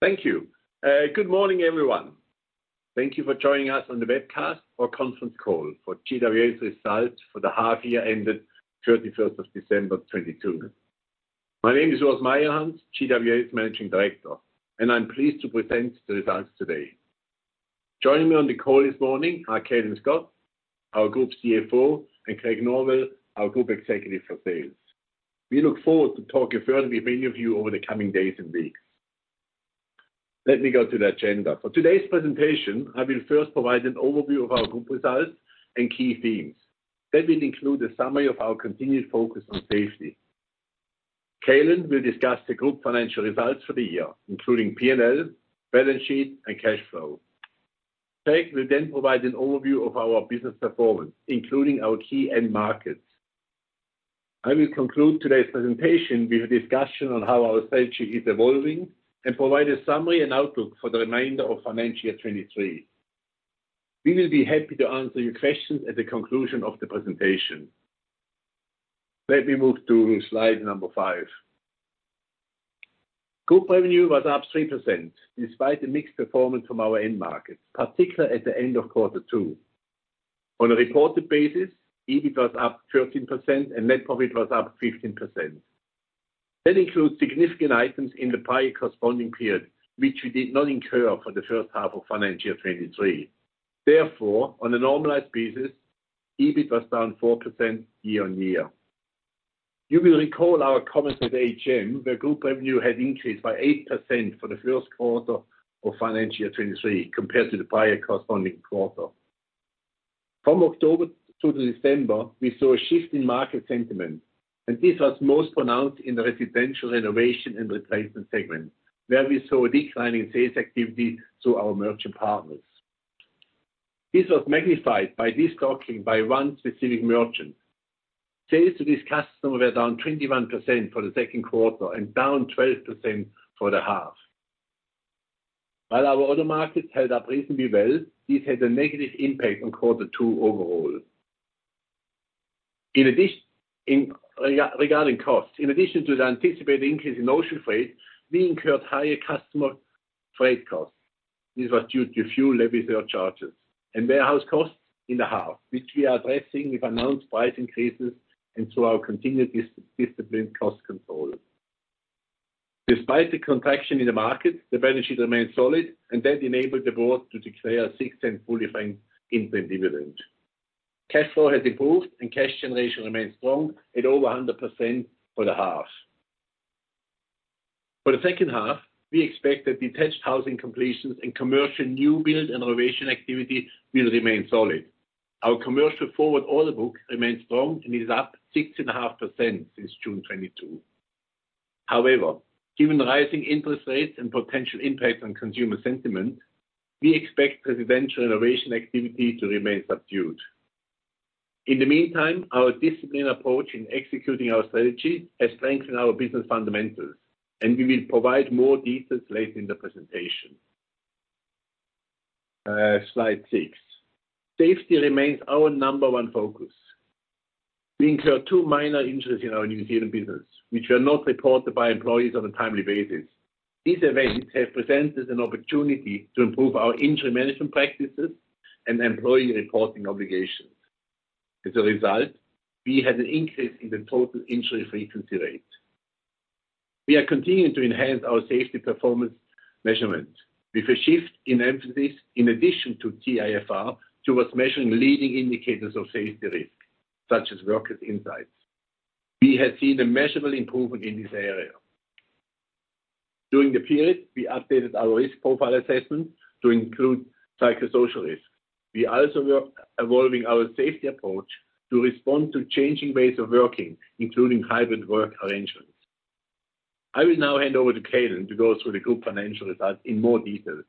Thank you. Good morning, everyone. Thank you for joining us on the webcast or conference call for GWA's results for the half year ended 31st of December, 2022. My name is Urs Meyerhans, GWA's Managing Director. I'm pleased to present the results today. Joining me on the call this morning are Cailin Scott, our Group CFO, and Craig Norwell, our Group Executive for Sales. We look forward to talking further with many of you over the coming days and weeks. Let me go to the agenda. For today's presentation, I will first provide an overview of our group results and key themes. That will include a summary of our continued focus on safety. Cailin will discuss the group financial results for the year, including P&L, balance sheet, and cash flow. Craig will provide an overview of our business performance, including our key end markets. I will conclude today's presentation with a discussion on how our strategy is evolving and provide a summary and outlook for the remainder of financial year 2023. We will be happy to answer your questions at the conclusion of the presentation. Let me move to slide number 5. Group revenue was up 3% despite the mixed performance from our end markets, particularly at the end of Q2. On a reported basis, EBIT was up 13% and net profit was up 15%. That includes significant items in the prior corresponding period, which we did not incur for the first half of financial year 2023. Therefore, on a normalized basis, EBIT was down 4% year-on-year. You will recall our comments at AGM, where group revenue had increased by 8% for the first quarter of financial year 2023 compared to the prior corresponding quarter. From October to December, we saw a shift in market sentiment, and this was most pronounced in the residential renovation and replacement segment, where we saw a decline in sales activity through our merchant partners. This was magnified by destocking by one specific merchant. Sales to this customer were down 21% for the second quarter and down 12% for the half. While our other markets held up reasonably well, this had a negative impact on quarter two overall. Regarding costs, in addition to the anticipated increase in ocean freight, we incurred higher customer freight costs. These were due to fuel levy surcharges and warehouse costs in the half, which we are addressing with announced price increases and through our continued discipline cost control. Despite the contraction in the market, the balance sheet remains solid, and that enabled the board to declare an 0.06 fully franked interim dividend. Cash flow has improved and cash generation remains strong at over 100% for the half. For the second half, we expect that detached housing completions and commercial new build and renovation activity will remain solid. Our commercial forward order book remains strong and is up 6.5% since June 2022. Given the rising interest rates and potential impact on consumer sentiment, we expect residential renovation activity to remain subdued. In the meantime, our disciplined approach in executing our strategy has strengthened our business fundamentals, and we will provide more details later in the presentation. Slide 6. Safety remains our number 1 focus. We incurred two minor injuries in our New Zealand business, which were not reported by employees on a timely basis. These events have presented an opportunity to improve our injury management practices and employee reporting obligations. As a result, we had an increase in the total injury frequency rate. We are continuing to enhance our safety performance measurement with a shift in emphasis in addition to TIFR towards measuring leading indicators of safety risk, such as workers' insights. We have seen a measurable improvement in this area. During the period, we updated our risk profile assessment to include psychosocial risks. We are also evolving our safety approach to respond to changing ways of working, including hybrid work arrangements. I will now hand over to Calin to go through the group financial results in more detail.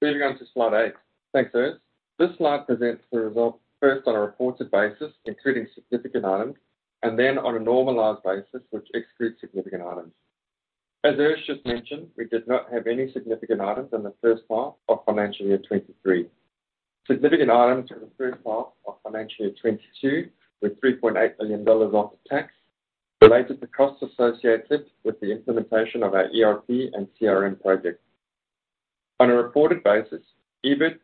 Moving on to slide 8. Thanks, Urs. This slide presents the results first on a reported basis, including significant items, and then on a normalized basis, which excludes significant items. As Urs just mentioned, we did not have any significant items in the first half of financial year 2023. Significant items in the first half of financial year 2022 were AUD 3.8 million off tax related to costs associated with the implementation of our ERP and CRM projects. On a reported basis, EBIT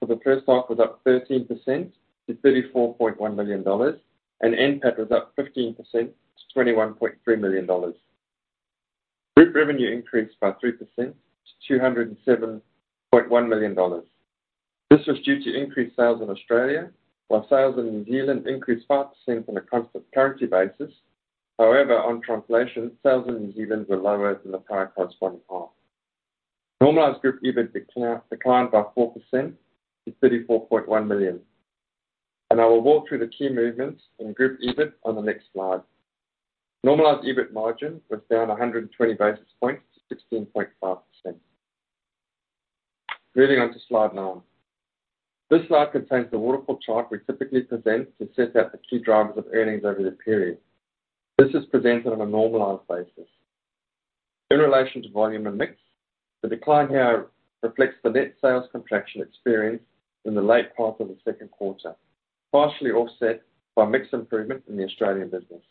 for the first half was up 13% to 34.1 million dollars, and NPAT was up 15% to 21.3 million dollars. Group revenue increased by 3% to 207.1 million dollars. This was due to increased sales in Australia, while sales in New Zealand increased 5% on a constant currency basis. However, on translation, sales in New Zealand were lower than the prior corresponding half. Normalized group EBIT declined by 4% to 34.1 million. I will walk through the key movements in group EBIT on the next slide. Normalized EBIT margin was down 120 basis points to 16.5%. Moving on to slide 9. This slide contains the waterfall chart we typically present to set out the key drivers of earnings over the period. This is presented on a normalized basis. In relation to volume and mix, the decline here reflects the net sales contraction experienced in the late part of the second quarter, partially offset by mix improvement in the Australian business.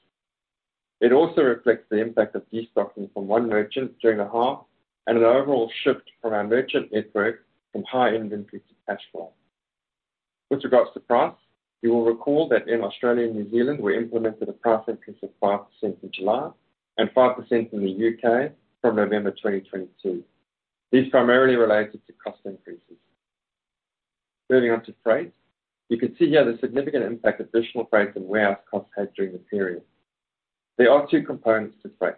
It also reflects the impact of destocking from 1 merchant during the half and an overall shift from our merchant network from high inventory to cash flow. With regards to price, you will recall that in Australia and New Zealand, we implemented a price increase of 5% in July and 5% in the U.K. From November 2022. These primarily related to cost increases. Moving on to freight. You can see here the significant impact additional freight and warehouse costs had during the period. There are two components to freight.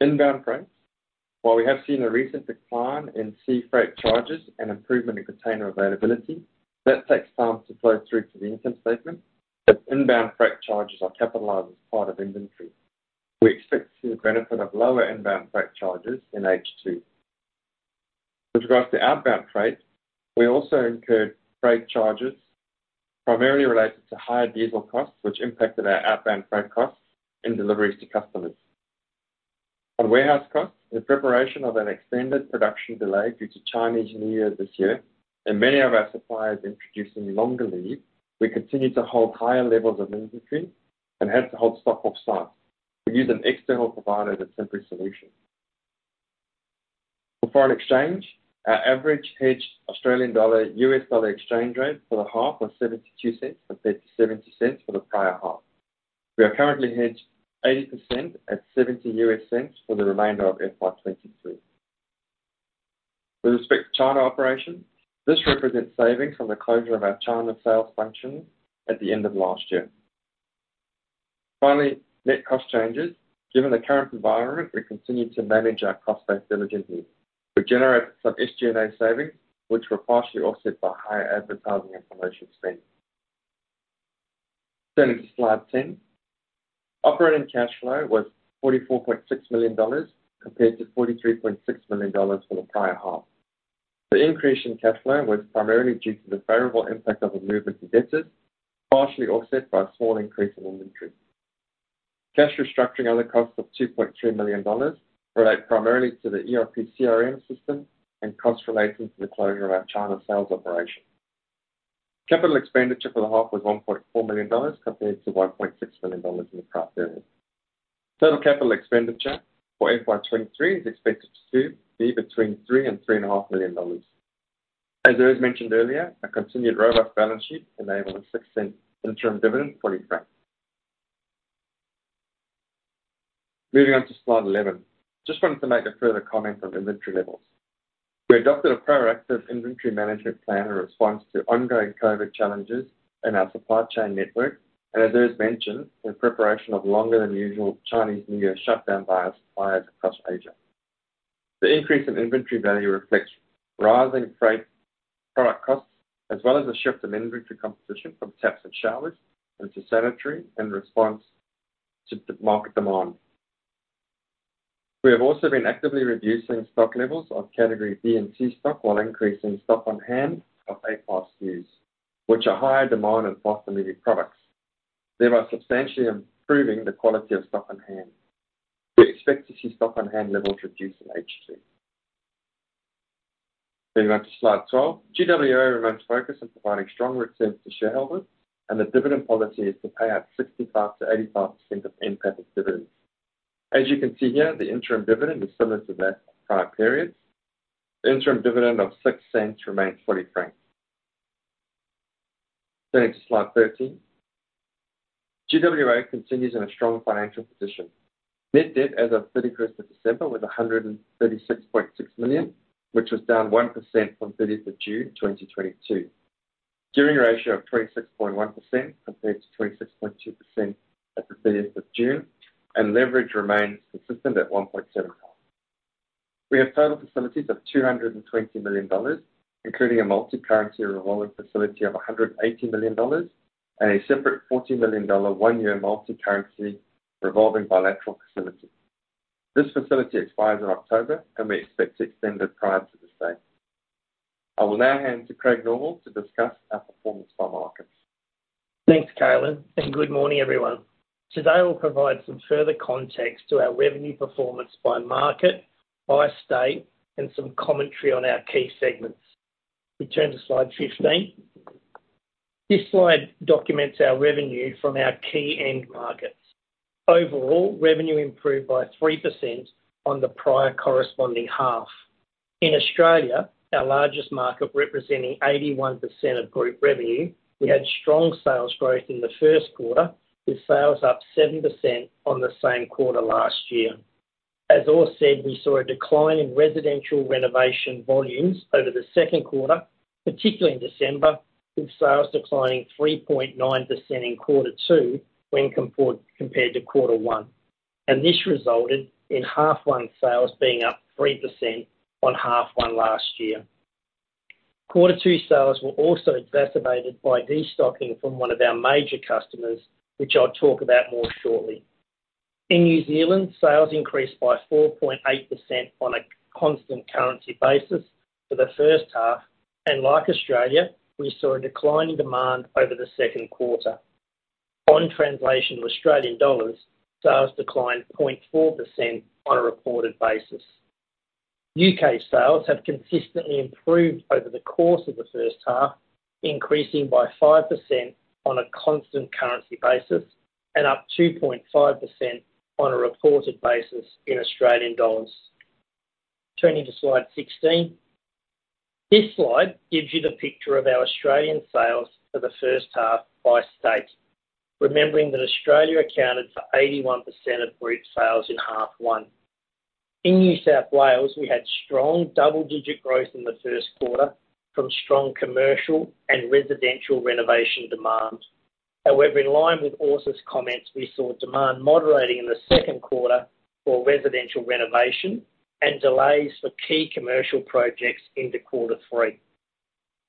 Inbound freight. We have seen a recent decline in sea freight charges and improvement in container availability, that takes time to flow through to the income statement, as inbound freight charges are capitalized as part of inventory. We expect to see the benefit of lower inbound freight charges in H2. With regards to outbound freight, we also incurred freight charges primarily related to higher diesel costs, which impacted our outbound freight costs in deliveries to customers. On warehouse costs, in preparation of an extended production delay due to Chinese New Year this year and many of our suppliers introducing longer lead, we continue to hold higher levels of inventory and had to hold stock off-site. We used an external provider as a temporary solution. For foreign exchange, our average hedged Australian dollar, US dollar exchange rate for the half was $0.72 compared to $0.70 for the prior half. We are currently hedged 80% at $0.70 for the remainder of FY2023. With respect to China operations, this represents savings from the closure of our China sales function at the end of last year. Net cost changes. Given the current environment, we continue to manage our costs there diligently. We generated some SG&A savings, which were partially offset by higher advertising and promotion spend. Turning to slide 10. Operating cash flow was 44.6 million dollars compared to 43.6 million dollars for the prior half. The increase in cash flow was primarily due to the variable impact of a move of debtors, partially offset by a small increase in inventory. Cash restructuring other costs of 2.3 million dollars relate primarily to the ERP CRM system and costs relating to the closure of our China sales operation. Capital expenditure for the half was 1.4 million dollars compared to 1.6 million dollars in the prior period. Total capital expenditure for FY2023 is expected to be between 3 million dollars and AUD 3.5 million. As Urs mentioned earlier, a continued robust balance sheet enabled an 6 cent interim dividend fully franked. Moving on to slide 11. Just wanted to make a further comment on inventory levels. We adopted a proactive inventory management plan in response to ongoing COVID challenges in our supply chain network, and as Urs mentioned, in preparation of longer than usual Chinese New Year shutdown by our suppliers across Asia. The increase in inventory value reflects rising freight product costs, as well as a shift in inventory composition from taps and showers into sanitary in response to market demand. We have also been actively reducing stock levels of category B and C stock while increasing stock on hand of A class SKUs, which are higher demand and fast-moving products, thereby substantially improving the quality of stock on hand. We expect to see stock on hand levels reduce in H2. Moving on to slide 12. GWA remains focused on providing strong returns to shareholders, and the dividend policy is to pay out 65%-85% of NPAT as dividends. As you can see here, the interim dividend is similar to that of prior periods. The interim dividend of 0.06 remains fully franked. Turning to slide 13. GWA continues in a strong financial position. Net debt as of 31st of December was 136.6 million, which was down 1% from 30th of June 2022. Gearing ratio of 26.1% compared to 26.2% at the 30th of June. Leverage remains consistent at 1.7 times. We have total facilities of 220 million dollars, including a multicurrency revolving facility of 180 million dollars and a separate 40 million dollar one-year multicurrency revolving bilateral facility. This facility expires in October, and we expect to extend it prior to this date. I will now hand to Craig Norwell to discuss our performance by markets. Thanks, Calin. Good morning, everyone. Today, we'll provide some further context to our revenue performance by market, by state, and some commentary on our key segments. We turn to slide 15. This slide documents our revenue from our key end markets. Overall, revenue improved by 3% on the prior corresponding half. In Australia, our largest market representing 81% of Group revenue, we had strong sales growth in the first quarter, with sales up 7% on the same quarter last year. As Urs said, we saw a decline in residential renovation volumes over the second quarter, particularly in December, with sales declining 3.9% in 2Q compared to 1Q. This resulted in half one sales being up 3% on half one last year. Quarter 2 sales were also exacerbated by destocking from one of our major customers, which I'll talk about more shortly. Like Australia, we saw a decline in demand over the second quarter. On translation to Australian dollars, sales declined 0.4% on a reported basis. U.K. sales have consistently improved over the course of the first half, increasing by 5% on a constant currency basis and up 2.5% on a reported basis in Australian dollars. Turning to slide 16. This slide gives you the picture of our Australian sales for the first half by state, remembering that Australia accounted for 81% of group sales in half 1. In New South Wales, we had strong double-digit growth in the first quarter from strong commercial and residential renovation demand. In line with Urs's comments, we saw demand moderating in the second quarter for residential renovation and delays for key commercial projects into quarter three.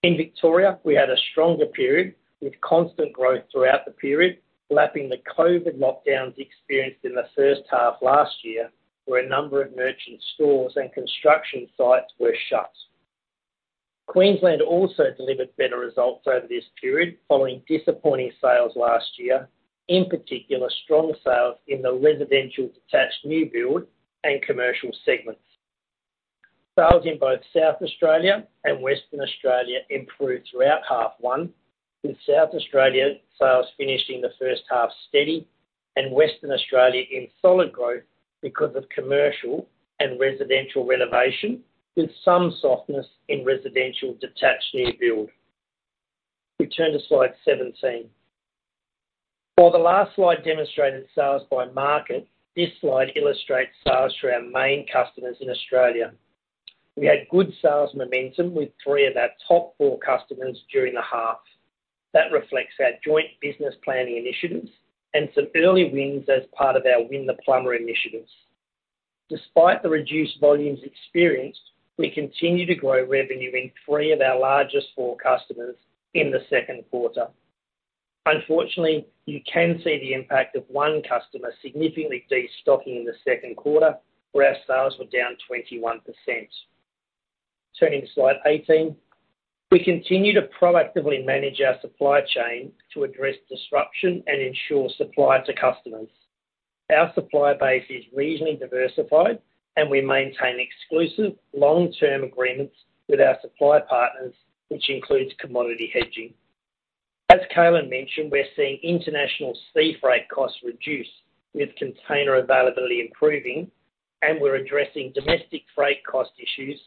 In Victoria, we had a stronger period with constant growth throughout the period, lapping the COVID lockdowns experienced in the first half last year, where a number of merchant stores and construction sites were shut. Queensland also delivered better results over this period, following disappointing sales last year, in particular, strong sales in the residential detached new build and commercial segments. Sales in both South Australia and Western Australia improved throughout half one, with South Australia sales finishing the first half steady and Western Australia in solid growth because of commercial and residential renovation with some softness in residential detached new build. We turn to slide 17. While the last slide demonstrated sales by market, this slide illustrates sales through our main customers in Australia. We had good sales momentum with three of our top four customers during the half. That reflects our joint business planning initiatives and some early wins as part of our Win the Plumber initiatives. Despite the reduced volumes experienced, we continue to grow revenue in three of our largest four customers in the second quarter. Unfortunately, you can see the impact of 1 customer significantly destocking in the second quarter, where our sales were down 21%. Turning to slide 18. We continue to proactively manage our supply chain to address disruption and ensure supply to customers. Our supplier base is reasonably diversified and we maintain exclusive long-term agreements with our supply partners, which includes commodity hedging. As Calin mentioned, we're seeing international sea freight costs reduce with container availability improving, and we're addressing domestic freight cost issues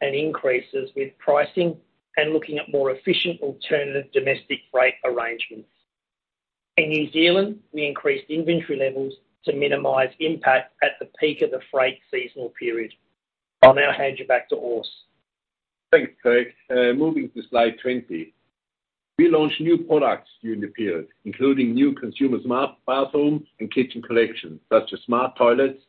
and increases with pricing and looking at more efficient alternative domestic freight arrangements. In New Zealand, we increased inventory levels to minimize impact at the peak of the freight seasonal period. I'll now hand you back to Urs. Thanks, Craig. Moving to slide 20. We launched new products during the period, including new consumer smart bathroom and kitchen collections, such as smart toilets,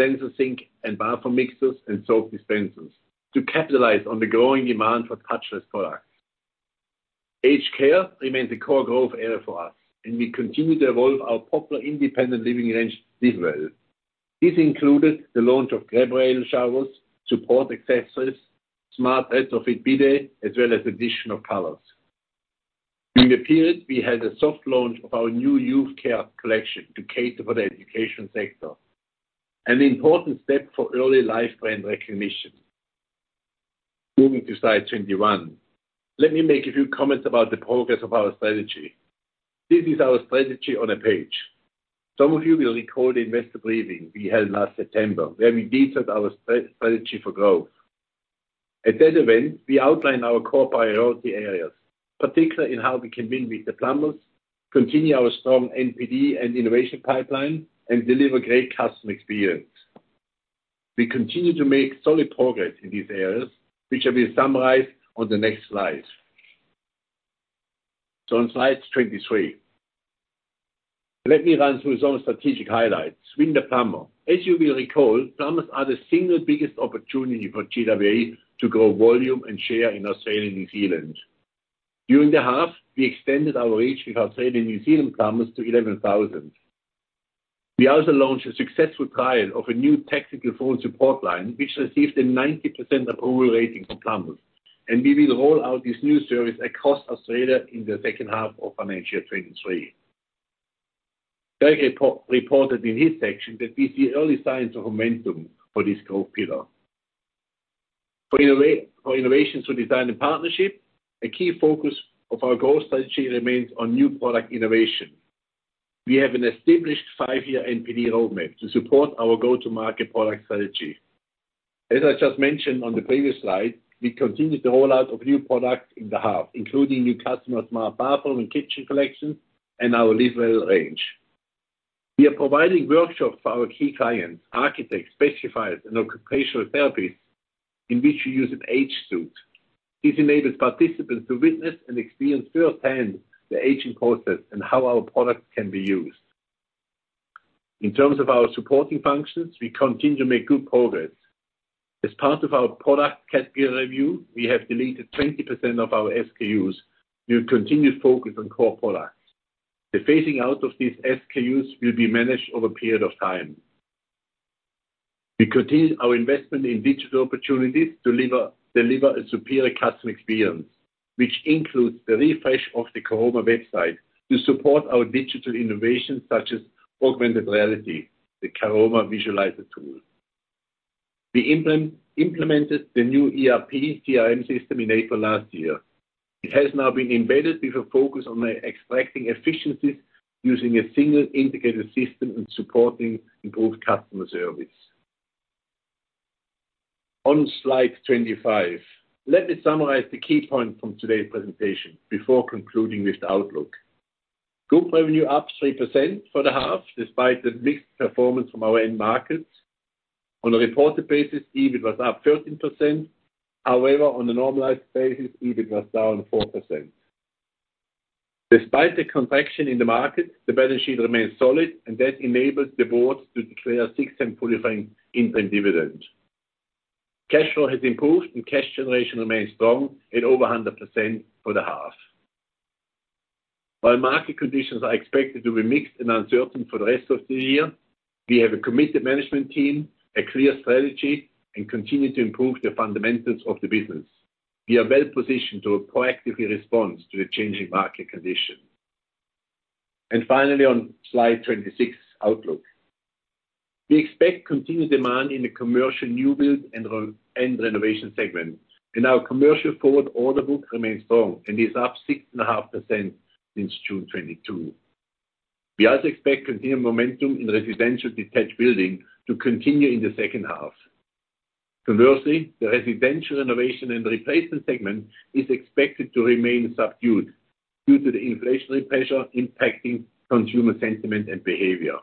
sensor sink, and bathroom mixers, and soap dispensers to capitalize on the growing demand for touchless products. Aged care remains a core growth area for us, and we continue to evolve our popular independent living range, Livewell. This included the launch of grab rail showers, support accessories, smart retrofit bidet, as well as additional colors. During the period, we had a soft launch of our new youth care collection to cater for the education sector, an important step for early life brand recognition. Moving to slide 21. Let me make a few comments about the progress of our strategy. This is our strategy on a page. Some of you will recall the investor briefing we held last September, where we detailed our strategy for growth. At that event, we outlined our core priority areas, particularly in how we can win with the Plumber, continue our strong NPD and innovation pipeline, and deliver great customer experience. We continue to make solid progress in these areas, which will be summarized on the next slide. On slide 23. Let me run through some strategic highlights. Win the Plumber. As you will recall, plumbers are the single biggest opportunity for GWA to grow volume and share in Australia and New Zealand. During the half, we extended our reach with Australian and New Zealand plumbers to 11,000. We also launched a successful trial of a new technical phone support line, which received a 90% approval rating from plumbers. We will roll out this new service across Australia in the second half of financial 23. Craig reported in his section that we see early signs of momentum for this growth pillar. For innovations through design and partnership, a key focus of our growth strategy remains on new product innovation. We have an established 5-year NPD roadmap to support our go-to-market product strategy. As I just mentioned on the previous slide, we continued the rollout of new products in the half, including new customer smart bathroom and kitchen collections and our Livewell range. We are providing workshops for our key clients, architects, specifiers, and occupational therapists, in which we use an AgeSuit. This enables participants to witness and experience firsthand the aging process and how our products can be used. In terms of our supporting functions, we continue to make good progress. As part of our product category review, we have deleted 20% of our SKUs. We will continue to focus on core products. The phasing out of these SKUs will be managed over a period of time. We continue our investment in digital opportunities to deliver a superior customer experience, which includes the refresh of the Caroma website to support our digital innovations such as augmented reality, the Caroma Visualiser tool. We implemented the new ERP CRM system in April last year. It has now been embedded with a focus on e-extracting efficiencies using a single integrated system and supporting improved customer service. On slide 25, let me summarize the key point from today's presentation before concluding with the outlook. Group revenue up 3% for the half, despite the mixed performance from our end markets. On a reported basis, EBIT was up 13%. On a normalized basis, EBIT was down 4%. Despite the contraction in the market, the balance sheet remains solid, and that enables the board to declare 0.06 fully frank interim dividend. Cash flow has improved, and cash generation remains strong at over 100% for the half. While market conditions are expected to be mixed and uncertain for the rest of the year, we have a committed management team, a clear strategy, and continue to improve the fundamentals of the business. We are well positioned to proactively respond to the changing market conditions. Finally, on slide 26, outlook. We expect continued demand in the commercial new build and renovation segment. Our commercial forward order book remains strong and is up 6.5% since June 2022. We also expect continued momentum in residential detached building to continue in the second half. Conversely, the residential renovation and replacement segment is expected to remain subdued due to the inflationary pressure impacting consumer sentiment and behavior.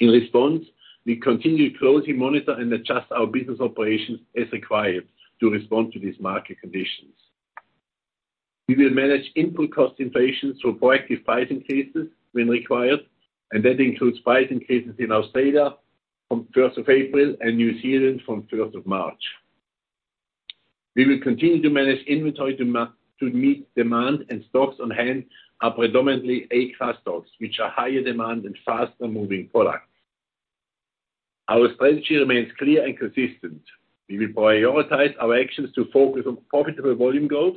In response, we continue to closely monitor and adjust our business operations as required to respond to these market conditions. We will manage input cost inflation through proactive pricing cases when required, and that includes pricing cases in Australia from 1st of April and New Zealand from 1st of March. We will continue to manage inventory to meet demand, and stocks on hand are predominantly A class stocks, which are higher demand and faster moving products. Our strategy remains clear and consistent. We will prioritize our actions to focus on profitable volume growth,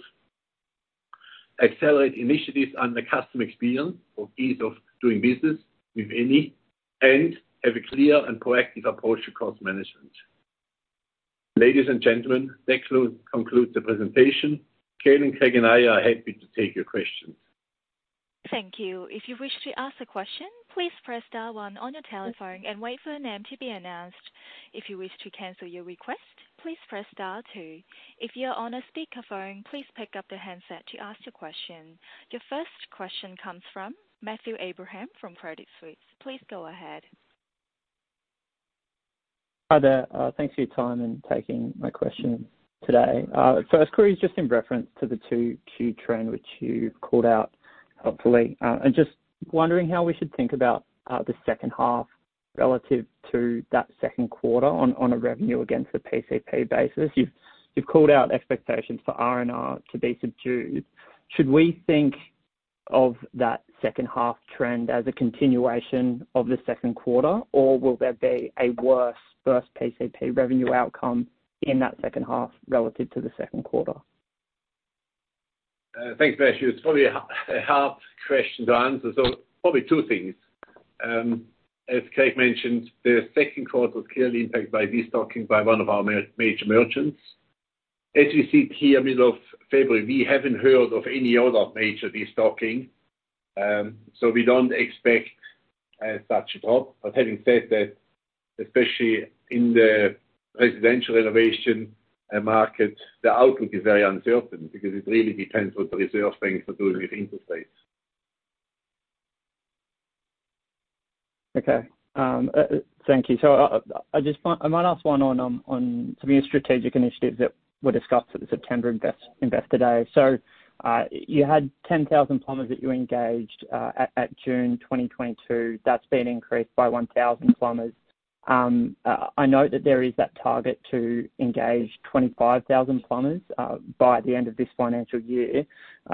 accelerate initiatives on the customer experience for ease of doing business with us, and have a clear and proactive approach to cost management. Ladies and gentlemen, that concludes the presentation. Calin, Craig, and I are happy to take your questions. Thank you. If you wish to ask a question, please press star one on your telephone and wait for your name to be announced. If you wish to cancel your request, please press star two. If you're on a speakerphone, please pick up the handset to ask your question. Your first question comes from Matthew Abraham from Credit Suisse. Please go ahead. Hi there. Thank you for your time and taking my question today. First query is just in reference to the two key trend which you called out helpfully, just wondering how we should think about the second half relative to that second quarter on a revenue against the PCP basis. You've called out expectations for R&R to be subdued. Should we think of that second half trend as a continuation of the second quarter, or will there be a worse first PCP revenue outcome in that second half relative to the second quarter? Thanks, Matthew. It's probably a hard question to answer, so probably two things. As Craig mentioned, the second quarter was clearly impacted by destocking by one of our major merchants. As you see here, middle of February, we haven't heard of any other major destocking, so we don't expect such a drop. Having said that, especially in the residential renovation market, the outlook is very uncertain because it really depends what the Reserve Bank are doing with interest rates. Okay. Thank you. I might ask one on some of your strategic initiatives that were discussed at the September Investor Day. You had 10,000 plumbers that you engaged at June 2022. That's been increased by 1,000 plumbers. I know that there is that target to engage 25,000 plumbers by the end of this financial year.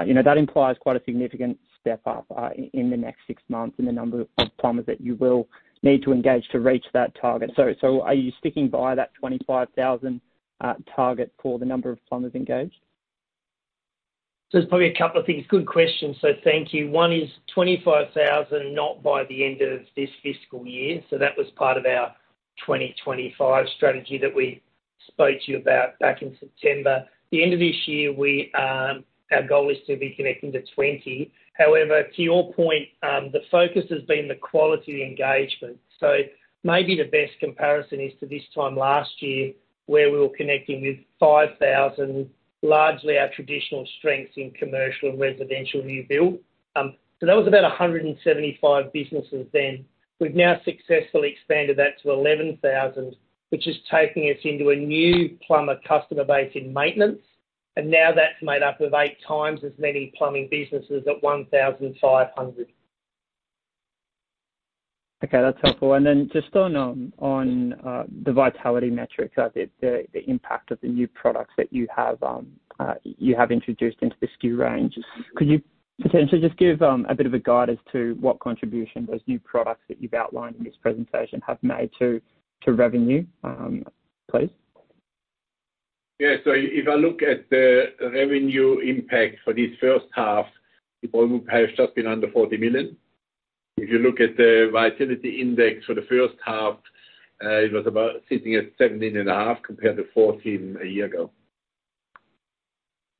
You know, that implies quite a significant step up in the next 6 months in the number of plumbers that you will need to engage to reach that target. Are you sticking by that 25,000 target for the number of plumbers engaged? There's probably a couple of things. Good question. Thank you. One is 25,000, not by the end of this fiscal year. That was part of our 2025 strategy that we spoke to you about back in September. The end of this year, we, our goal is to be connecting to 20. However, to your point, the focus has been the quality of engagement. Maybe the best comparison is to this time last year, where we were connecting with 5,000, largely our traditional strengths in commercial and residential new build. That was about 175 businesses then. We've now successfully expanded that to 11,000, which is taking us into a new plumber customer base in maintenance. Now that's made up of eight times as many plumbing businesses at 1,500. Okay, that's helpful. Just on the vitality metric, the impact of the new products that you have introduced into the SKU range, could you potentially just give a bit of a guide as to what contribution those new products that you've outlined in this presentation have made to revenue, please? Yeah. If I look at the revenue impact for this first half, it probably would have just been under 40 million. If you look at the Vitality Index for the first half, it was about sitting at 17.5 compared to 14 a year ago.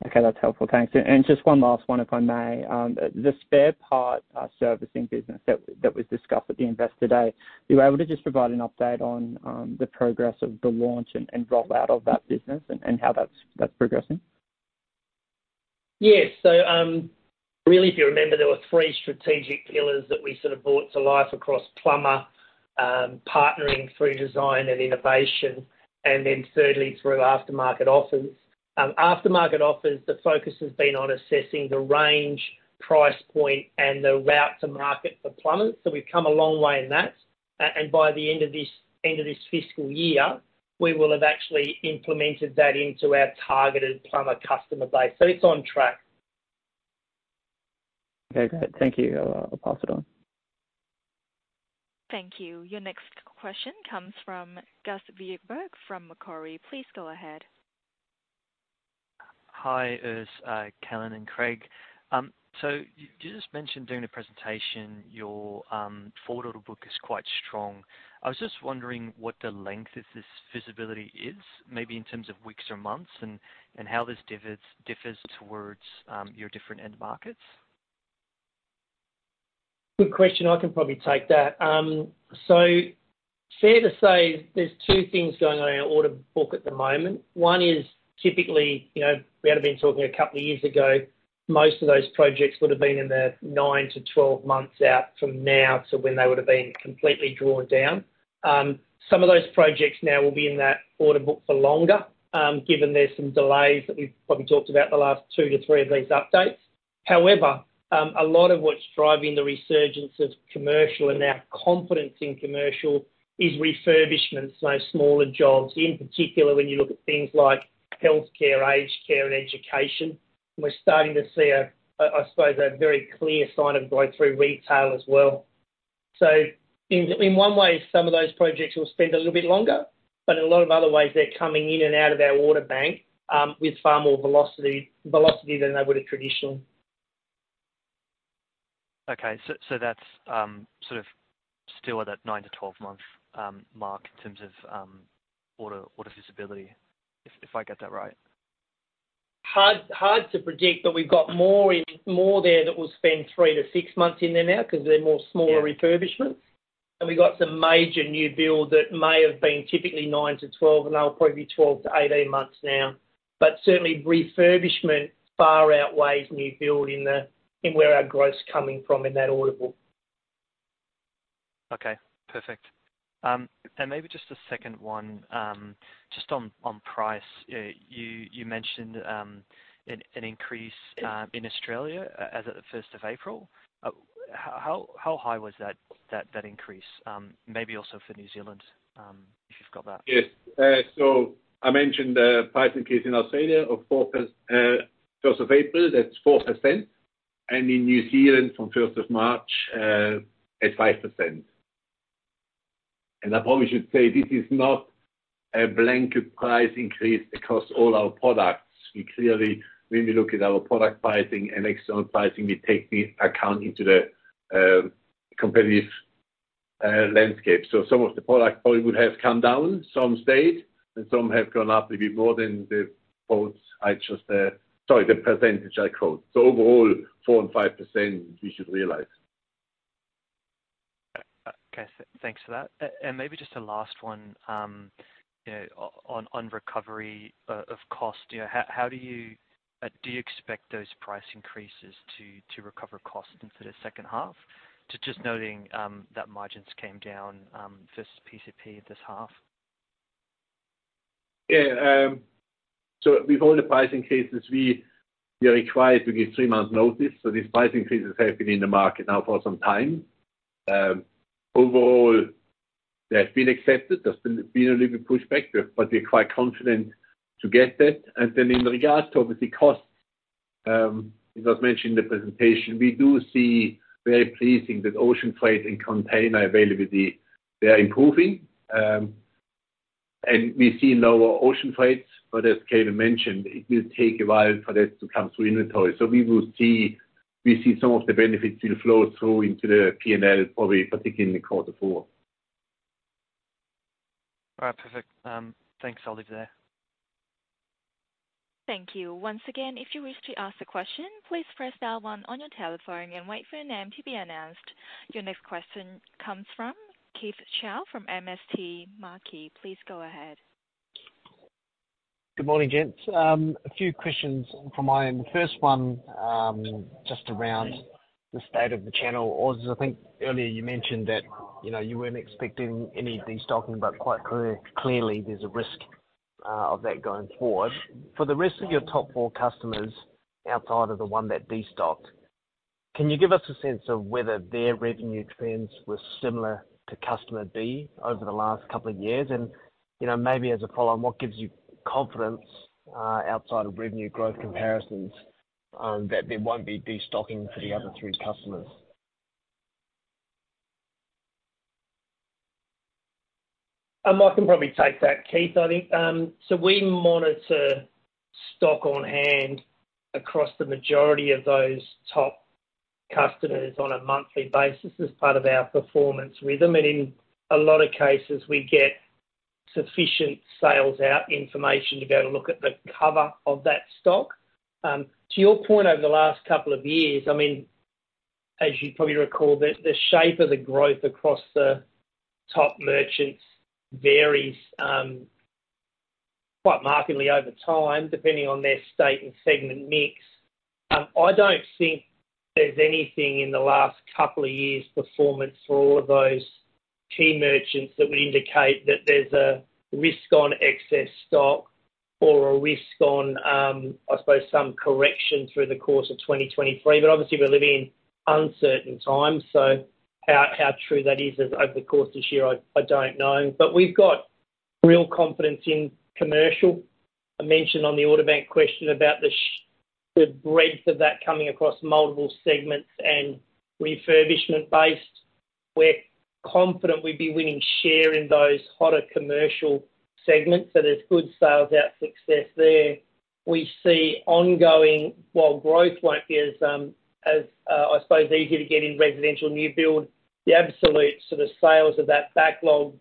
Okay, that's helpful. Thanks. Just one last one, if I may. The spare part, servicing business that was discussed at the investor day. Were you able to just provide an update on, the progress of the launch and rollout of that business and how that's progressing? Yes. Really, if you remember, there were 3 strategic pillars that we sort of brought to life across Plumber, partnering through design and innovation, thirdly through aftermarket offers. Aftermarket offers, the focus has been on assessing the range, price point and the route to market for plumbers. We've come a long way in that. By the end of this fiscal year, we will have actually implemented that into our targeted plumber customer base. It's on track. Okay, great. Thank you. I'll pass it on. Thank you. Your next question comes from Peter Wilson from Macquarie. Please go ahead. Hi, Urs, Calin and Craig. You just mentioned during the presentation your forward order book is quite strong. I was just wondering what the length of this visibility is, maybe in terms of weeks or months and how this differs towards your different end markets. Good question. I can probably take that. Fair to say there's two things going on in our order book at the moment. One is typically, you know, we had been talking a couple of years ago, most of those projects would have been in the nine to 12 months out from now to when they would have been completely drawn down. Some of those projects now will be in that order book for longer, given there's some delays that we've probably talked about the last two to three of these updates. A lot of what's driving the resurgence of commercial and our confidence in commercial is refurbishments, so smaller jobs. In particular, when you look at things like healthcare, aged care and education, and we're starting to see a very clear sign of growth through retail as well. In one way, some of those projects will spend a little bit longer, but in a lot of other ways they're coming in and out of our order bank, with far more velocity than they would have traditionally. Okay. That's sort of still at that nine to 12 month mark in terms of order visibility, if I get that right. Hard to predict, but we've got more in, more there that will spend three to six months in there now because they're more. Yeah... refurbishments. We've got some major new build that may have been typically nine-12, and they'll probably be 12-18 months now. Certainly refurbishment far outweighs new build in where our growth's coming from in that order book. Okay. Perfect. Maybe just a second one. Just on price. You mentioned an increase in Australia as at the first of April. How high was that increase? Maybe also for New Zealand, if you've got that. Yes. I mentioned the price increase in Australia 1st of April, that's 4%. In New Zealand from 1st of March, at 5%. I probably should say this is not a blanket price increase across all our products. We clearly, when we look at our product pricing and external pricing, we take the account into the competitive landscape. Some of the product probably would have come down, some stayed, and some have gone up maybe more than the quotes I just, sorry, the percentage I quote. Overall, 4% and 5% we should realize. Okay. Thanks for that. Maybe just a last one, you know, on recovery of cost. You know, how do you expect those price increases to recover costs into the second half? To just noting that margins came down first PCP this half. Yeah. With all the pricing cases we are required to give three months notice. These price increases have been in the market now for some time. Overall, they have been accepted. There's been a little bit pushback there, we're quite confident to get that. In regards to obviously costs, it was mentioned in the presentation, we do see very pleasing that ocean freight and container availability, they are improving. We see lower ocean freight. As Calin mentioned, it will take a while for that to come through inventory. We see some of the benefits will flow through into the P&L probably particularly in the quarter four. All right. Perfect. Thanks. I'll leave it there. Thank you. Once again, if you wish to ask a question, please press star one on your telephone and wait for your name to be announced. Your next question comes from Keith Chau from MST Marquee. Please go ahead. Good morning, gents. A few questions from my end. The first one, just around the state of the channel. Urs, I think earlier you mentioned that, you know, you weren't expecting any destocking, but clearly there's a risk of that going forward. For the rest of your top four customers outside of the one that destocked, can you give us a sense of whether their revenue trends were similar to customer B over the last couple of years? You know, maybe as a follow on, what gives you confidence outside of revenue growth comparisons that there won't be destocking for the other three customers? I can probably take that, Keith, I think. We monitor stock on hand across the majority of those top customers on a monthly basis as part of our performance rhythm. And in a lot of cases, we get sufficient sales out information to be able to look at the cover of that stock. To your point over the last couple of years, I mean, as you probably recall, the shape of the growth across the top merchants varies, quite markedly over time, depending on their state and segment mix. I don't think there's anything in the last couple of years' performance for all of those key merchants that would indicate that there's a risk on excess stock or a risk on, I suppose some correction through the course of 2023. Obviously, we're living in uncertain times, so how true that is over the course of this year, I don't know. We've got real confidence in commercial. I mentioned on the order bank question about the breadth of that coming across multiple segments and refurbishment-based. We're confident we'd be winning share in those hotter commercial segments, so there's good sales out success there. While growth won't be as, I suppose, easier to get in residential new build, the absolute sort of sales of that backlog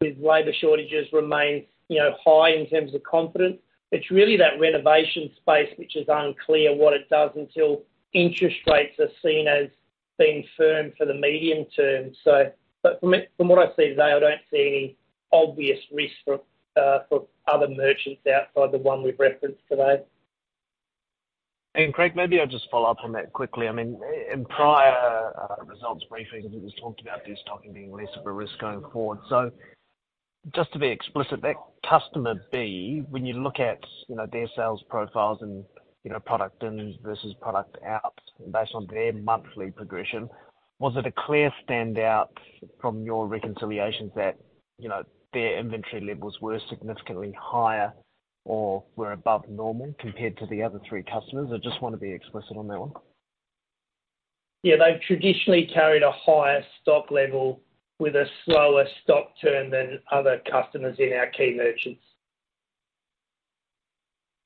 with labor shortages remains, you know, high in terms of confidence. It's really that renovation space which is unclear what it does until interest rates are seen as being firm for the medium term. But from what I see today, I don't see any obvious risk for other merchants outside the one we've referenced today. Craig, maybe I'll just follow up on that quickly. I mean, in prior results briefings, it was talked about this topic being less of a risk going forward. Just to be explicit, that customer B, when you look at, you know, their sales profiles and, you know, product in versus product out, based on their monthly progression, was it a clear standout from your reconciliations that, you know, their inventory levels were significantly higher or were above normal compared to the other three customers? I just wanna be explicit on that one. Yeah. They've traditionally carried a higher stock level with a slower stock turn than other customers in our key merchants.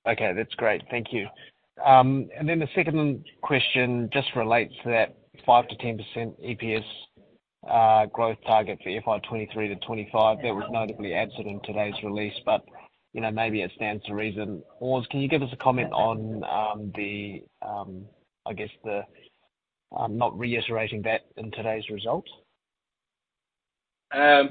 Okay. That's great. Thank you. The second question just relates to that 5%-10% EPS growth target for FY2023-2025. That was notably absent in today's release, you know, maybe it stands to reason. Urs, can you give us a comment on the I guess the not reiterating that in today's results? Well,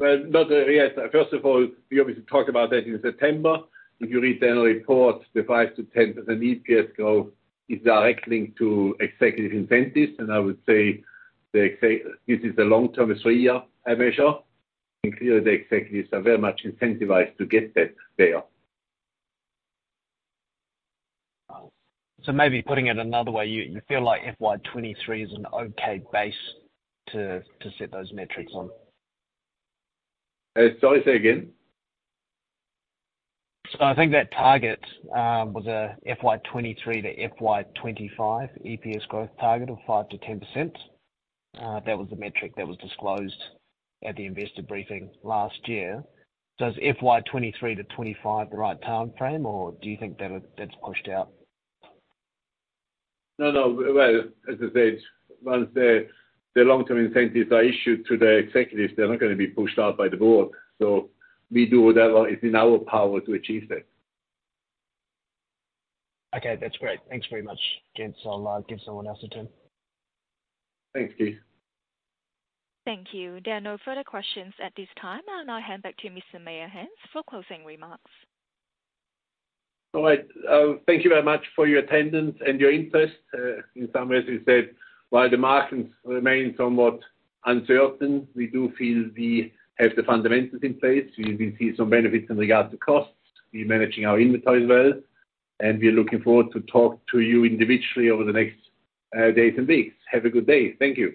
no. Yes. First of all, we obviously talked about that in September. If you read the annual report, the 5%-10% EPS growth is directly linked to executive incentives. I would say this is a long-term, three year measure. Clearly, the executives are very much incentivized to get that there. maybe putting it another way, you feel like FY2023 is an okay base to set those metrics on? Sorry, say again? I think that target was a FY2023 to FY2025 EPS growth target of 5%-10%. That was the metric that was disclosed at the investor briefing last year. Is FY2023 to FY2025 the right time frame, or do you think that that's pushed out? No, no. Well, as I said, once the long-term incentives are issued to the executives, they're not gonna be pushed out by the board. We do whatever is in our power to achieve that. Okay, that's great. Thanks very much. Again. I'll give someone else a turn. Thanks, Keith. Thank you. There are no further questions at this time. I'll now hand back to Mr. Meyerhans for closing remarks. All right. Thank you very much for your attendance and your interest. In summary, as we said, while the markets remain somewhat uncertain, we do feel we have the fundamentals in place. We will see some benefits in regards to costs. We're managing our inventory well, and we're looking forward to talk to you individually over the next days and weeks. Have a good day. Thank you.